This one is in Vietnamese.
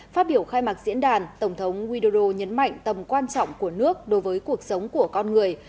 phát biểu khai mạc diễn đàn tổng thống widodo nhấn mạnh tầm quan trọng của nước đối với cuộc sống của con người